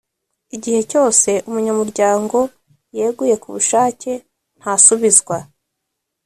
igihe cyose umunyamuryango yeguye ku bushake ntasubizwa